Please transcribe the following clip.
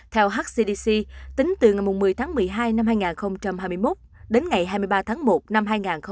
theo hcdc tính từ ngày một mươi tháng một mươi hai năm hai nghìn hai mươi một đến ngày hai mươi ba tháng một năm hai nghìn hai mươi